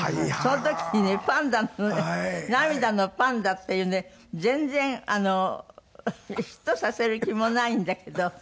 その時にねパンダのね『涙のパンダ』っていうね全然ヒットさせる気もないんだけど。